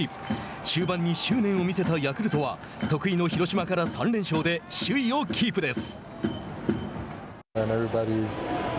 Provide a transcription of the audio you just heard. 終盤に執念を見せたヤクルトは得意の広島から３連勝で首位をキープです。